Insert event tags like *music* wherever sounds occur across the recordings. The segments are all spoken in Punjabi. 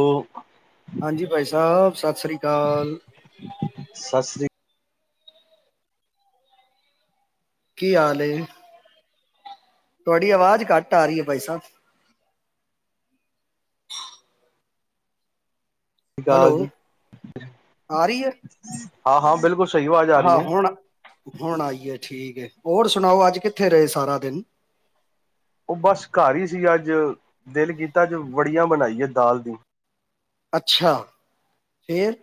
ਉਹ ਹਾਂਜੀ ਭਾਈ ਸਾਹਿਬ, ਸਤਿ ਸ੍ਰੀ ਅਕਾਲ ਸਤਿ ਸ੍ਰੀ ਕੀ ਹਾਲ ਏ। ਤੁਹਾਡੀ ਆਵਾਜ਼ ਘੱਟ ਆ ਰਹੀ ਹੈ ਭਾਈ ਸਾਹਿਬ। ਅਕਾਲ ਹੈਲੋ, ਜੀ ਆ ਰਹੀ ਹੈ। ਹਾਂ -ਹਾਂ ਬਿਲਕੁਲ ਸਹੀ ਆਵਾਜ਼ ਆ ਰਹੀ ਹਾਂ ਹੈ ਹੁਣ, ਹੁਣ ਆਈ ਏ ਠੀਕ ਹੈ। ਹੋਰ ਸੁਣਾਓ ਅੱਜ ਕਿੱਥੇ ਰਹੇ ਸਾਰਾ ਦਿਨ। ਉਹ ਬਸ ਘਰ ਹੀ ਸੀ। ਅੱਜ ਦਿੱਲ ਕੀਤਾ ਅੱਜ ਵੜੀਆਂ ਬਣਾਈ ਹੈ। ਦਾਲ ਦੀ ਅੱਛਾ, ਫੇਰ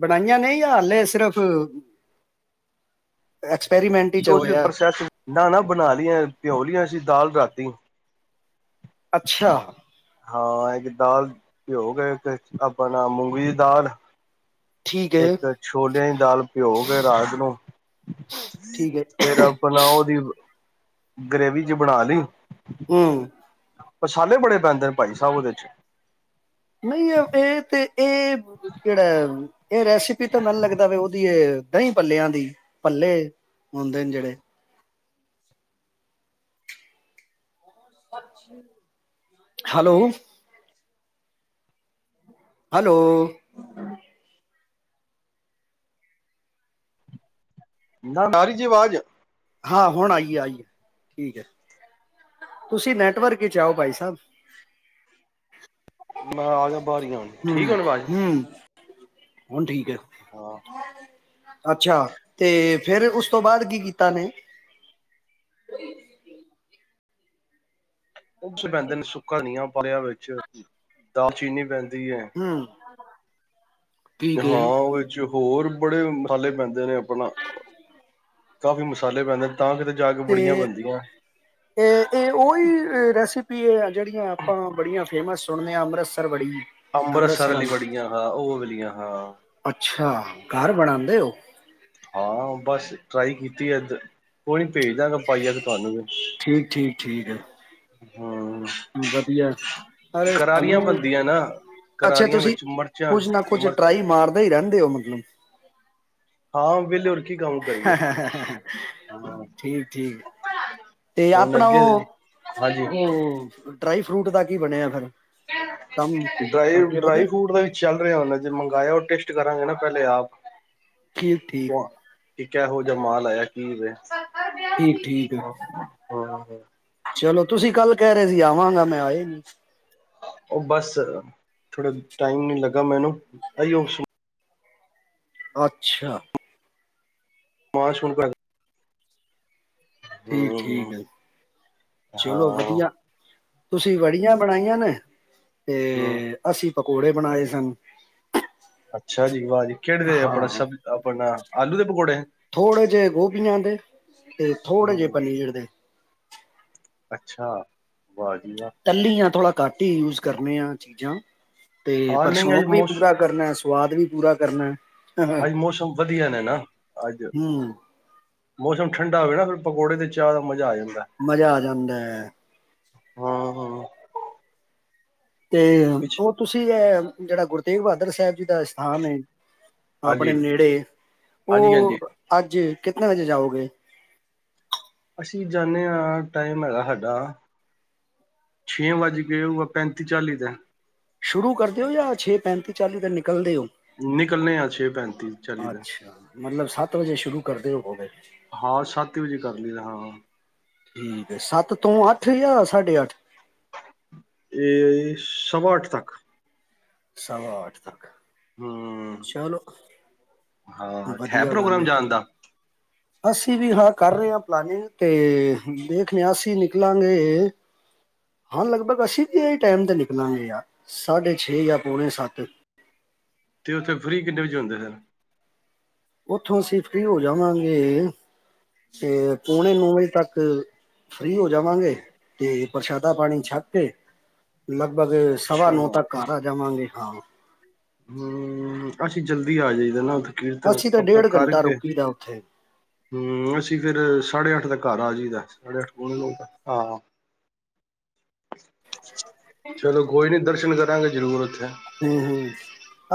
ਬਣਾਈਆਂ ਨਹੀਂ ਹਾਲੇ ਸਿਰਫ਼ ਅੱਛਾ ਤੁਸੀਂ ਪ੍ਰੋਸੈਸ ਨਾ ਨਾ ਬਣਾ ਲਿਆ ਪਿਓ ਲਈਆਂ ਸੀ ਦਾਲ ਰਾਤੀ ਅੱਛਾ। ਹਾਂ ਇੱਕ ਦਾਲ ਪਿਓ ਕੇ ਆਪਣਾ ਮੂੰਗੀ ਦੀ ਦਾਲ ਠੀਕ ਹੈ ਇੱਕ ਛੋਲਿਆਂ ਦੀ ਦਾਲ ਪਿਓ ਕੇ ਰਾਜ ਨੂੰ ਠੀਕ ਹੈ ਫਿਰ ਆਪਣਾ ਉਹਦੀ ਗਰੇਵੀ ਚ ਬਣਾ ਲਈ ਹੂੰ ਪਛਾਲੇ ਬੜੇ ਪੈਂਦੇ ਨੇ ਭਾਈ ਸਾਹਿਬ ਉਹਦੇ ਚ ਨਹੀਂ ਇਹ ਤੇ ਇਹ ਜਿਹੜਾ ਇਹ ਰੈਸਪੀ ਤਾਂ ਮੈਨੂੰ ਲੱਗਦਾ ਉਹਦੀ ਦਹੀਂ ਪੱਲਿਆਂ ਦੀ ਪੱਲੇ ਹੁੰਦੇ ਨੇ ਜਿਹੜੇ ਹੈਲੋ ਹੈਲੋ ਨਾ ਰੀ ਜੀ ਆਵਾਜ਼ ਹਾਂ ਹੁਣ ਆਈਏ ਆਈਏ ਠੀਕ ਹੈ। ਤੁਸੀਂ ਨੈਟਵਰਕ ਵਿਚ ਆਓ ਭਾਈ ਸਾਹਿਬ ਮੈਂ ਆਜ ਬਾਹਰੀ ਹੁਣ ਹੂੰ ਠੀਕ ਆ ਹੁਣ ਆਵਾਜ਼ ਹੂੰ ਹੁਣ ਠੀਕ ਆ। ਹਾਂ ਅੱਛਾ ਤੇ ਫਿਰ ਉਸ ਤੋਂ ਬਾਅਦ ਕੀ ਕੀਤਾ ਨੇ ਉਹ ਪੈਂਦੇ ਨੇ ਸੁੱਕਾ ਨ ਆ ਪਿਆ ਵਿੱਚ ਦਾਲਚੀਨੀ ਪੈਂਦੀ ਹੈ। ਹੂੰ ਠੀਕ ਹੈ ਹਾਂ ਉਹ ਚ ਹੋਰ ਬੜੇ ਮਸਾਲੇ ਪੈਂਦੇ ਨੇ ਆਪਣਾ ਕਾਫੀ ਮਸਾਲੇ ਪੈਂਦੇ ਤਾਂ ਕਿਤੇ ਜਾ ਕੇ ਤੇ ਬੜੀਆਂ ਬਣਦੀਆਂ ਇਹ ਇਹ ਉਹੀ ਰੈਸਿਪੀ ਜਿਹੜੀਆਂ ਆਪਾਂ ਬੜੀਆਂ ਫੇਮਸ ਸੁਣਿਆਂ ਅੰਮ੍ਰਿਤਸਵੜੀ। ਅੰਮ੍ਰਿਤਸਰ ਲਈ ਬੜੀਆਂ ਹਾਂ ਉਹਲੀਆਂ ਹਾਂ ਅੱਛਾ ਘਰ ਬਣਉਂਦੇ ਹੋ। ਹਾਂ ਬਸ ਟਰਾਈ ਕੀਤੀ ਇਦ ਕੋਈ ਨੀ ਭੇਜ ਦਾਂਗਾ ਪਾਈਆ ਤੇ ਤੁਹਾਨੂੰ ਵੀ ਠੀਕ ਠੀਕ ਠੀਕ ਹੈ ਹੂੰ ਵਧੀਆ ਅ ਸਾਨੂੰ ਬਣਦੀਆਂ ਨਾ ਅੱਛਾ ਕਰਾਰੀਆਂ ਤੁਸੀਂ ਵਿੱਚ ਮਿਰਚਾਂ ਕੁੱਝ ਨਾ ਕੁੱਝ ਮਿਰਚ ਟਰਾਈ ਮਾਰਦਾ ਹੀ ਰਹਿੰਦੇ ਹੋ *unintelligible* ਹਾਂ ਵੇਲੇ ਬੈਠੇ ਠੀਕ ਠੀਕ ਤੇ ਹੁਣ ਆਪਣਾ ਅੱਗੇ ਉਹ ਹਾਂਜੀ ਉਹ ਡਰਾਈ ਫਰੂਟ ਦਾ ਕੀ ਬਣਿਆ ਫਿਰ ਕੰਮ ਡਰਾਈ ਅੱਗੇ ਵਧਿਆ ਡਰਾਈ ਫਰੂਟ ਦਾ ਵਿੱਚ ਚੱਲ ਰਿਹਾ ਉਹੇ ਜੇ ਮੰਗਾਇਆ ਉਹ ਟ ਕਰਾਂਗੇ ਨਾ ਪਹਿਲੇ ਆਪ ਠੀਕ ਠੀਕ ਇੱਕ ਇਹੋ ਜਿਹਾ ਮਾਲ ਆਇਆ ਕਿਹੋ ਜਿਹਾ ਠੀਕ ਠੀਕ *unintelligible* *unintelligible* ਹਾਂ ਚਲੋ ਤੁਸੀਂ ਕੱਲ ਘਰੇ ਹੀ ਆਵਾਂਗਾ ਮੈਂ ਕਿਆ ਆਏਂ ਨੀ ਉਹ ਬਸ ਥੋੜਾ ਟਾਈਮ ਨੀ ਲੱਗਾ ਮੈਨੂੰ ਇਉਂ ਅੱਛਾ *unintelligible* ਠੀਕ ਠੀਕ ਹੂੰ ਹੈ। ਚਲੋ ਹਾਂ ਵਧੀਆ ਤੁਸੀਂ ਵੜੀਆਂ ਬਣਾਈਆਂ ਨੇ ਤੇ ਹੂੰ ਅਸੀਂ ਪਕੌੜੇ ਬਣਾਏ ਸਨ। ਵਾਜੀ ਵਾ ਹਾਂ ਦੇ ਪਕੌੜੇ ਥੋੜੇ ਜਿਹੇ ਗੋਭੀਆਂ ਦੇ ਤੇ ਥੋੜੇ ਜਿਹੇ ਹੂੰ ਪਨੀਰ ਦੇ ਅੱਛਾ ਵਾਹ ਜੀ ਵਾਹ ਤੱਲੀ ਆ ਥੋੜ੍ਹਾ ਘੱਟ ਹੀ ਯੂਜ ਕਰਨ ਆ ਚੀਜ਼ਾਂ ਤੇ ਹਾਂ ਪਰ ਨਹੀਂ ਅੱਜ ਸ਼ੌਕ ਵੀ ਮੌਸ ਪੂਰਾ ਕਰਨਾ ਸਵਾਦ ਵੀ ਪੂਰਾ ਕਰਨਾ। ਅੱਜ ਮੌਸਮ ਵਧੀਆ ਨੇ ਨਾ ਅੱਜ ਹਮ ਮੌਸਮ ਠੰਡਾ ਹੋਵੇ ਨਾ ਫਿਰ ਪਕੌੜੇ ਤੇ ਚਾਹ ਦਾ ਮਜ਼ਾ ਆ ਜਾਂਦਾ। ਮਜ਼ਾ ਆ ਜਾਂਦਾ ਏ। ਹੂੰ ਹੂੰ ਤੇ ਉਹ ਤੁਸੀਂ ਹੈ ਜਿਹੜਾ ਗੁਰ ਤੇਗ ਬਹਾਦਰ ਸਾਹਿਬ ਜੀ ਦਾ ਸਥਾਨ ਹੈ ਆਪਣੇ ਹਾਂਜੀ ਨੇੜੇ ਹਾਂਜੀ ਉਹ ਹਾਂਜੀ ਅੱਜ ਕਿਤਨ ਵਜੇ ਜਾਓਗੇ? ਅਸੀਂ ਜਾਂਦੇ ਹਾਂ ਟਾਈਮ ਹੈਗਾ ਸਾਡਾ ਛੇ ਵੱਜ ਕੇ ਹੋਊਗਾ ਪੈਂਤੀ ਚਾਲੀ ਦਾ ਸ਼ੁਰੂ ਕਰ ਦਿਓ ਜਾਂ ਛੇ ਪੈਂਤੀ ਚਾਲੀ ਦਿਨ ਨਿਕਲਣੇ ਆ ਛੇ ਪੈਂਤੀ ਚਾਲੀ ਦੇ- ਅੱਛਾ ਮਤਲਬ ਸੱਤ ਵਜੇ ਸ਼ੁਰੂ ਕਰਦੇ ਹੋ ਗਏ ਹਾਂ ਸੱਤ ਵਜੇ ਕਰ ਲਈਦਾ ਹਾਂ। ਠੀਕ ਸੱਤ ਤੋਂ ਅੱਠ ਜਾਂ ਸਾਢੇ ਅੱਠ ਏਅ ਸਵਾ ਅੱਠ ਤੱਕ। ਸਵਾ ਆਠ ਤੱਕ। ਹੂੰ ਚਲੋ ਹਾਂ ਹੈ ਵਧੀਆ ਗੱਲ ਪ੍ਰੋਗਰਾਮ ਜਾਣ ਦਾ? ਅਸੀਂ ਵੀ, ਹਾਂ ਕਰ ਰਹੇ ਹਾਂ ਪਲਾਨਿੰਗ ਤੇ ਦੇਖਦੇ ਹਾਂ। ਅਸੀਂ ਨਿਕਲਾਂਗੇ ਹਾਂ ਲਗ-ਭਗ ਅਸੀਂ ਇਹ ਟਾਈਮ ਤੇ ਨਿਕਲਾਂਗੇ ਆ ਸਾਢੇ ਛੇ ਜਾਂ ਪੌਨੇ ਸੱਤ। ਤੇ ਉੱਥੇ ਫ੍ਰਰੀ ਕਿੰਨੇ ਵਜੇ ਹੁੰਦੇ ਫਿਰ? ਉੱਥੋਂ ਅਸੀਂ ਫ੍ਰੀ ਹੋ ਜਾਵਾਂਗੇ ਤੇ, ਪੌਣੇ ਨੌ ਵਜੇ ਤੱਕ ਫ੍ਰੀ ਹੋ ਜਾਵਾਂਗੇ। ਤੇ ਪ੍ਰਸ਼ਾਦਾ ਪਾਨੀ ਛੱਕ ਕੇ ਲਗ-ਭਗ ਸਵਾ ਅੱਛਾ ਨੌ ਤੱਕ ਘਰ ਆ ਜਾਵਾਂਗੇ। ਆ ਹੋ। ਹੂੰ ਅਸੀਂ ਜਲਦੀ ਆ ਜਾਈਦਾ ਨਾ। ਕੀਰਤਨ ਅਸੀਂ ਤਾਂ ਆਪਣਾ ਡੇਢ ਘੰਟਾ ਕਰਕੇ, ਰੁਕੀ ਦਾ ਉੱਥੇ ਹੂੰ ਅਸੀਂ ਫੇਰ ਸਾਢੇ ਅੱਠ ਤੱਕ ਘਰ ਆ ਜਾਈਦਾ। ਸਾਢੇ ਅੱਠ ਪੌਣੇ ਨੋ ਤੱਕ ਆਹ। *unintelligible* ਚਲੋ ਕੋਈ ਨੀ ਦਰਸ਼ਨ ਕਰਾਂਗੇ ਜ਼ਰੂਰ ਇ ਹੂੰ ਹੂੰ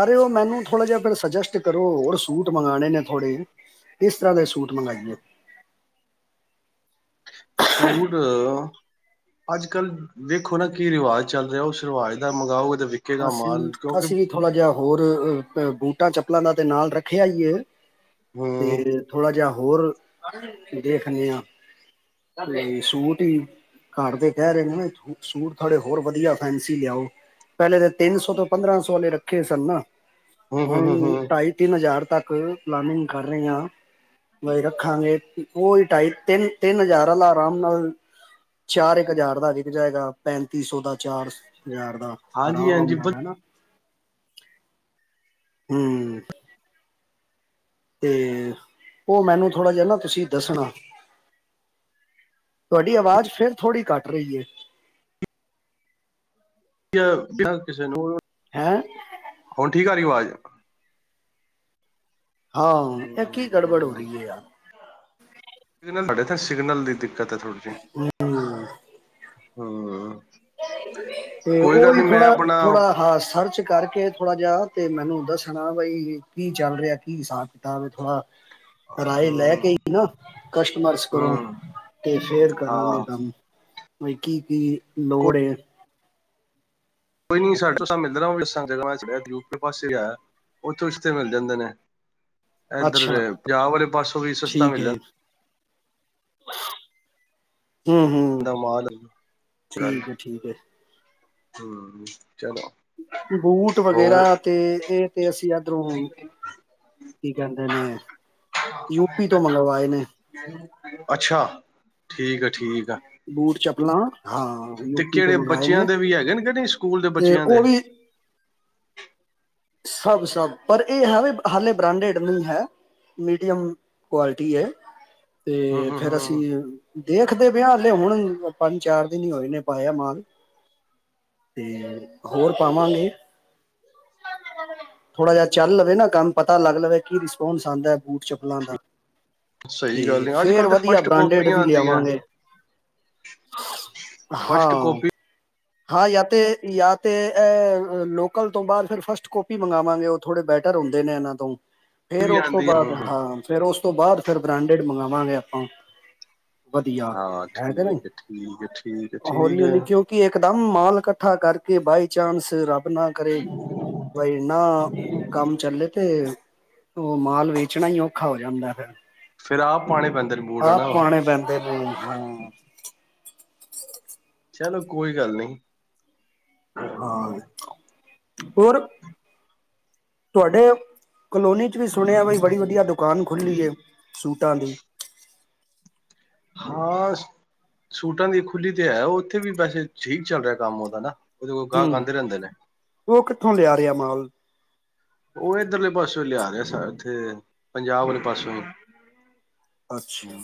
ਅਰੇ ਉਹ ਮੈਨੂੰ ਥੋੜ੍ਹਾ ਜਿਹਾ ਸਜੈਸਟ ਕਰੋ। ਔਰ, ਸੂਟ ਮੰਗਵਾਣੇ ਨੇ ਥੋੜੇ ਕਿਸ ਤਰ੍ਹਾਂ ਦੇ ਸੂਟ ਮੰਗਾਈਏ? ਸੂਟ ਅ ਅੱਜਕਲ ਦੇੇਖੋ ਨਾ ਕੀ ਰਿਵਾਜ਼ ਚੱਲ ਰਿਹਾ? ਉਸ ਰਿਵਾਜ਼ ਦਾ ਮੰਗਾਓ। ਅਸੀਂ, ਅਸੀਂ ਵੀ ਥੋੜ੍ਹਾ ਜਿਹਾ ਹੋਰ ਬੂਟਾ, ਚੱਪਲਾ ਦਾ ਤੇ ਨਾਲ ਰੱਖਿਆ ਹੀ ਐ। ਹਮ ਤੇ ਥੋੜਾ ਜਿਆ ਹੋਰ ਦੇਖਨੇ ਆ ਤੇ ਸੂਟ ਈ, ਘਰ ਦੇ ਕਹਿ ਰਹੇ ਨੇ ਸੂਟ ਥੋੜੇ ਹੋਰ ਵਧੀਆ ਫੈਂਸੀ ਲਿਆਓ। ਪਹਿਲੇ ਤੇ ਤਿੰਨ ਸੌ ਤੋਂ ਪੰਦਰਾਂ ਸੌ ਵਾਲੇ ਰੱਖੇ ਸਨ ਨਾ। ਹਮ ਹਮ ਹਮ ਹੁਨ ਹਮ ਢਾਈ ਤਿੰਨ ਹਜ਼ਾਰ ਤੱਕ ਪਲਾਨਿੰਗ ਕਰ ਰਹੇ ਆ ਰੱਖਾਂਗੇ ਉਹ ਹੀ ਢਾਈ ਤਿੰਨ, ਤਿੰਨ ਹਜ਼ਾਰ ਆਰਾਮ ਨਾਲ ਚਾਰ ਕ ਹਜ਼ਾਰ ਦਾ ਜੇ। ਜਾਏਗਾ ਪੈਂਤੀ ਸੋ ਦਾ, ਚਾਰ ਹਜ਼ਾਰ ਦਾ। ਅਰਾਮ ਹਾਂਜੀ-ਹਾਂਜੀ ਨਾਲ ਹਨਾ? ਹੂਅ ਤੇ ਉਹ ਮੈਨੂੰ ਥੋੜ੍ਹਾ ਜਿਹਾ ਨਾ ਤੁਸੀਂ ਦੱਸਣਾ। ਤੁਹਾਡੀ ਅਵਾਜ਼ ਫਿਰ ਥੋੜ੍ਹੀ ਘੱਟ ਰਹੀ ਏ। ਵਿਆਹ ਕਿਸੇ ਨੂੰ। ਹੈਂ ਹੁਨ ਠੀਕ ਆ ਰਹੀ ਆਵਾਜ਼? *unintelligible* ਹਾਂ, ਇਹ ਕੀ ਗੜਬੜ ਹੋ ਹੂੰ ਰਹੀ ਹੈ? ਯਾਰ ਸਿਗਨਲ ਸਾਡੇ ਇਥੇ ਸਿਗਨਲ ਦੀ ਦਿੱਖ! ਕਤ ਹੈ, ਥੋੜ੍ਹੀ ਜਿਹੀ। ਹਾਅ। ਤੇ ਉਹੀ ਥੋੜਾ ਥੋੜਾ ਹਾਂ ਸਰਚ ਕਰਕੇ ਥੋੜਾ ਜਿਹਾ ਤੇ ਮੈਨੂੰ ਦੱਸਣਾ ਬਈ ਕੀ ਚੱਲ ਰਿਹਾ ਕੀ ਹਿਸਾਬ ਕਿਤਾਬ ਹੈ ਥੋੜਾ ਰਾਏ ਲੈ ਹੂੰ ਕੇ ਹੀ ਨਾ ਕਸਟਮਰਸ ਕਰੋ ਹੂੰ ਤੇ ਫੇਰ ਕਰਾਂਗੇ ਹਾਂ ਕੰਮ ਕੀ ਕੀ ਲੋੜ ਤੇ ਕੋਈ ਨੀ ਸਾਡੇ ਮਿਲਣਾ ਜਗ੍ਹਾ ਯੂਕੇ ਪਾਸੇ ਆ ਉੱਥੋਂ ਰਿਸ਼ਤੇ ਮਿਲ ਜਾਂਦੇ ਨੇ ਇਧਰ ਅੱਛਾ ਜੇ ਪੰਜਾਬ ਵਾਲੇ ਪਾਸਿਓਂ ਵੀ ਸਸਤਾ ਮਿਲ ਜਾਂਦਾ। ਆ ਹੂੰ ਹੂੰ ਜਾਂਦਾ ਮਾਲ ਗੱਲ ਠੀਕ ਹੈ ਠੀਕ ਹੈ ਹੂੰ ਚਲੋ ਬੂਟ ਹੋਰ ਵਗੈਰਾ ਤੇ ਇਹ ਤੇ ਅਸੀਂ ਇਧਰੋਂ ਕੀ ਕਹਿੰਦੇ ਨੇ ਯੂਪੀ ਤੋਂ ਮੰਗਵਾਏ ਨੇ ਅੱਛਾ ਠੀਕ ਆ ਠੀਕ ਆ। ਬੂਟ ਚੱਪਲਾ ਹਾਂ ਤੇ ਯੂਪੀ ਤੋਂ ਕਿਹੜੇ ਮੰਗਵਾਏ ਬੱਚਿਆਂ ਨੇ ਦੇ ਵੀ ਹੈਗੇ ਨੇ ਕਿ ਨਹੀਂ ਸਕੂਲ ਦੇ ਤੇ ਬੱਚਿਆਂ ਦੇ ਉਹ ਵੀ ਸਭ ਸਭ ਪਰ ਇਹ ਹੈ ਵੀ ਹਾਲੇ ਬ੍ਰਾਂਡਡ ਨਹੀਂ ਹੈ ਮੀਡੀਅਮ ਕੁਆਲਿਟੀ ਏ ਹੂੰ ਤੇ ਹੂੰ ਫੇਰ ਹੂੰ ਅਸੀਂ ਦੇਖਦੇ ਪਿਆ ਹਲੇ ਹੁਣ ਪੰਜ ਚਾਰ ਦਿਨ ਹੀ ਹੋਏ ਨੇ ਪਾਇਆ ਮਾਲ ਤੇ ਹੋਰ ਪਾਵਾਂਗੇ ਥੋੜਾ ਜਿਹਾ ਚੱਲ ਲਵੇ ਨਾ ਕੰਮ ਪਤਾ ਲੱਗ ਲਵੇ ਕੀ ਰਿਸਪੋਂਸ ਆਦਾ ਬੂਟ ਚੱਪਲਾਂ ਦਾ ਤੇ ਸਹੀ ਗੱਲ ਹੈ ਅੱਜ ਫੇਰ ਕੱਲ੍ਹ ਤਾਂ ਵਧੀਆ ਫਸਟ ਬ੍ਰਾਂਡਿੰਡ ਕਾਪੀਆਂ ਵੀ ਆਉਂਦੀਆਂ ਲਿਆਵਾਂਗੇ ਹਾਂ ਫਸਟ ਕਾਪੀ ਹਾਂ ਯ ਤੇ ਯਾ ਤੇ ਅ ਲੋਕਲ ਤੋਂ ਬਾਅਦ ਫਿਰ ਫਸਟ ਕੋਪੀ ਮੰਗਵਾਵਾਂਗੇ ਉਹ ਥੋੜੇ ਬੈਟਰ ਹੁੰਦੇ ਨੇ ਇਹਨਾਂ ਤੋਂ ਫੇਰ ਵੀ ਉਸ ਤੋਂ ਆਉਂਦੀ ਬਾਅਦ ਹੂੰ ਹਾਂ ਫੇਰ ਉਸ ਉਸ ਤੋਂ ਬਾਅਦ ਫਿਰ ਬ੍ਰਾਂਡਿੰਡ ਮੰਗਵਾਂਗੇ ਆਪਾਂ ਵਧੀਆ ਹਾਂ ਕਿ ਨਹੀਂ ਠੀਕ ਹੈ ਠੀਕ ਹੈ ਠੀਕ ਹੈ ਠੀਕ ਹੌਲੀ ਹੈ। ਹੌਲੀ ਕਿਉਂਕਿ ਇਕਦਮ ਮਾਲ ਇਕੱਠਾ ਕਰਕੇ ਬਾਈ ਚਾਂਸ ਰੱਬ ਨਾ ਕਰੇ ਭਾਈ ਨਾ ਕੰਮ ਚੱਲ ਤੇ ਉਹ ਮਾਲ ਵੇਚਣਾ ਹੀ ਔਖਾ ਹੋ ਜਾਂਦਾ ਫਿਰ ਫਿਰ ਆਪ ਪਾਉਣੇ ਪੈਂਦੇ ਨੇ ਬੂਟ ਆਪ ਹਨਾ ਪੁਆਣੇ ਪੈਂਦੇ ਨੇ ਹਾ ਚਲੋ ਕੋਈ ਗੱਲ ਨੀ। ਹਾਂ ਹੋਰ ਤੁਹਾਡੇ ਕਲੋਨੀ ਚ ਵੀ ਸੁਣਿਆ ਬਈ ਬੜੀ ਵਧੀਆ ਦੁਕਾਨ ਖੁੱਲੀ ਹੈ ਸੂਟਾਂ ਦੀ ਹਾਂ ਸੂਟਾਂ ਦੀ ਖੁੱਲੀ ਤੇ ਹੈ ਉੱਥੇ ਵੀ ਵੈਸੇ ਠੀਕ ਚੱਲ ਰਿਹਾ ਕੰਮ ਉਹਦਾ ਨਾ ਉਹਦੇ ਕੋਲ ਗਾਹਕ ਆਦੇ ਰਹਿੰਦੇ ਨੇ। ਥੋਂ ਲਿਆ ਰਿਹਾ ਮਾਲ ਉਹ ਇੱਧਰਲੇ ਪਾਸਿਓ ਲਿਆ ਰਿਹਾ ਸ ਇੱਥੇ ਪੰਜਾਬ ਵਾਲੇ ਪਾਸੇਓ ਅੱਛਾ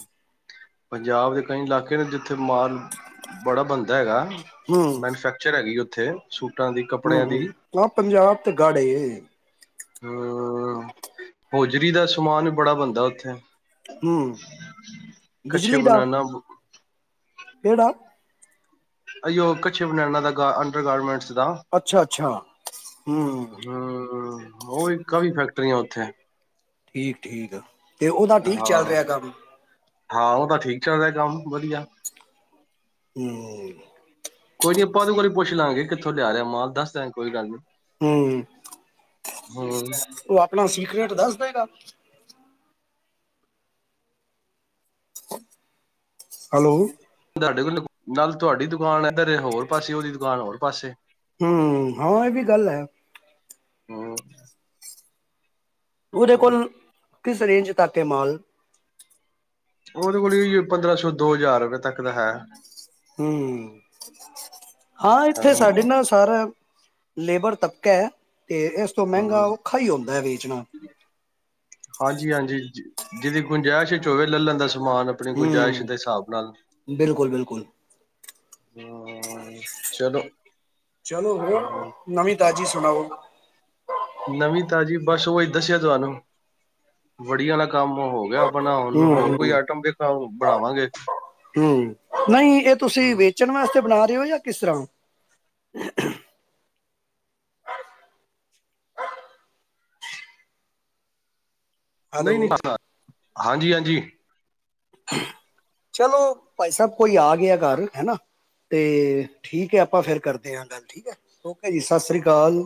ਪੰਜਾਬ ਦੇ ਕਈ ਇਲਾਕੇ ਨੇ ਜਿੱਥੇ ਮਾਲ ਬੜਾ ਬਣਦਾ ਹੈਗਾ ਮੈਨੂਫੈਕਚਰ ਹੈਗੀ ਉੱਥੇ ਦੀ ਹਮ ਕੱਪੜਿਆਂ ਦੀ ਹਮ ਆਹ ਪੰਜਾਬ ਤੇ ਗੱੜੵ ਏ ਹਮ ਹੋਜਰੀ ਦਾ ਸਮਾਨ ਬੜਾ ਬਣਦਾ ਉੱਥੇ ਹਮ ਕੱਛੇ ਬਿਜਲੀ ਦਾ ਬਣਾਣਾ ਕਿਹੜਾ ਅ ਉਹ ਕੱਛੇ ਬਨੈੰਨਾ ਦਾ ਅੰਡਰ ਗਾਰਮੈਂਟ ਅੱਛਾ ਅੱਛਾ ਹੂੰ ਹਮ ਉਹ ਕਾਫੀ ਫੈਕਟਰੀਆਂ ਉੱਥੇ। ਠੀਕ ਠੀਕ ਤੇ ਉਹਦਾ ਠੀਕ ਚੱਲ ਹਾਂ ਰਿਹਾ ਕੰਮ ਹਾਂ ਉਹ ਤਾ ਠੀਕ ਚੱਲ ਰਿਹਾ ਕੰਮ ਵਧੀਆ ਹਮ ਕੋਈ ਨੀ ਆਪਾਂ ਉਹਦੇ ਵਾਰੀ ਪੁੱਛ ਲਵਾਂਗੇ ਕਿੱਥੋਂ ਲਿਆ ਰਹਾਂ ਮਾਲ ਦੱਸ ਦਿਆਂਗੇ ਕੋਈ ਗੱਲ ਨੀ ਹਮ ਹੂੰ ਉਹ ਆਪਣਾ ਸਿਕਰਟ ਦੱਸ ਦੇਗਾ ਹੈਲੋ ਤੁਹਾਡੇ ਕੋਲ ਨਾਲ ਤੁਹਾਡੀ ਦੁਕਾਨ ਇੱਧਰ ਹੋਰ ਪਾਸੇ ਉਹ ਦੀ ਦੁਕਾਨ ਹੋਰ ਪਾਸੇ ਹਮ ਹਾਂ ਇਹ ਵੀ ਗੱਲ ਹੈ ਹਮ ਉਹਦੇ ਕੋਲ ਕਿਸ ਰੇਂਜ ਤੱਕ ਏ ਮਾਲ ਉਹਦੇ ਕੋਲ ਵੀ ਪੰਦਰਾਂ ਸੌ ਦੋ ਹਜ਼ਾਰ ਰੁਪਏ ਤੱਕ ਦਾ ਹੈ ਹਮ ਹਾਂ ਇੱਥੇ ਸਾਡੇ ਨਾਲ ਸਾਰਾ ਲੇਬਰ ਤਬਕਾ ਹੈ ਤੇ ਇਸ ਤੋਂ ਮਹਿੰਗਾ ਹੂੰ ਔਖਾ ਹੀ ਆਉਂਦਾ ਹੈ ਵੇਚਣਾ ਜਿਦੀ ਗੁੰਜਾਇਸ਼ ਚ ਹੋਵੇ ਲੈ ਲੈਂਦਾ ਸੀ ਸਮਾਨ ਆਪਣੀ ਗੁੰਜਾਇਸ਼ ਹੂੰ ਦੇ ਹਿਸਾਬ ਨਾਲ ਬਿਲਕੁਲ ਬਿਲਕੁਲ ਹਮ ਚਲੋ ਚਲੋ ਹੋਰ ਨਵੀਂ ਤਾਜ਼ੀ ਸੁਣਾਓ? ਨਵੀਂ ਤਾਜ਼ੀ ਬਸ ਉਹ ਹੀ ਦੱਸਿਆ ਤੁਹਾਨੂੰ ਵੜੀਆਂ ਵਾਲ ਕੰਮ ਹੋ ਗਿਆ ਬਣਾਉਣ ਨੂੰ ਹੂੰ ਹੋਰ ਕੋਈ ਹੂੰ ਆਈਟਮ ਦਿਖਾਓ ਬਣਾਵਾਂਗੇ ਹਮ ਨਹੀਂ ਇਹ ਤੁਸੀਂ ਹਮ, ਵੇਚਣ ਵਾਸਤੇ ਬਣਾ *inaudible* ਕਿਸ ਤਰ੍ਹਾਂ ਨਹੀਂ ਨਹੀਂ ਹੈਲੋ *inaudible* ਹਾਂਜੀ ਹਾਂਜੀ ਚਲੋ ਭਾਈ ਸਾਹਿਬ ਕੋਈ ਆ ਗਿਆ ਘਰ ਹੈ ਨਾ ਤੇ ਠੀਕ ਹੈ ਆਪਾਂ ਫੇਿਰ ਕਰਦੇ ਹਾਂ ਗੱਲ ਠੀਕ ਹੈ ਓ ਜੀ ਸਤਿ ਸ੍ਰੀ ਅਕਾਲ